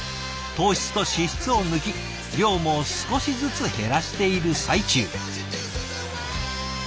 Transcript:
糖質と脂質を抜き量も少しずつ減らしている最中。